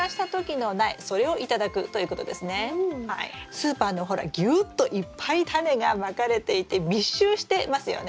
スーパーのほらぎゅっといっぱいタネがまかれていて密集してますよね。